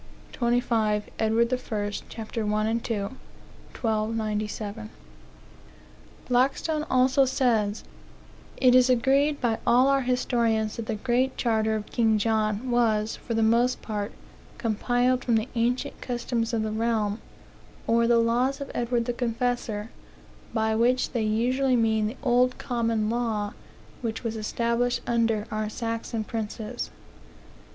25 Edward I., ch. 1 and 2. (1297.) Blackstone also says: "It is agreed by all our historians that the Great Charter of King John was, for the most part, compiled from the ancient customs of the realm, or the laws of Edward the Confessor; by which they usually mean the old common law which was established under our Saxon princes."